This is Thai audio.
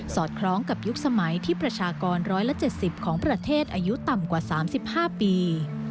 สอดคล้องกับยุคสมัยที่ประชากรร้อยละเจ็ดสิบของประเทศอายุต่ำกว่าสามสิบห้าปี